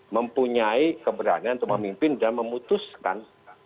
mempunyai keberanian untuk memimpin dan memutuskan